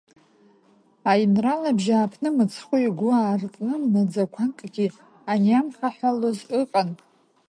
Аинрал абжьааԥны, мцхәы игәы аартны маӡақәакгьы аниамхаҳәалоз ыҟан.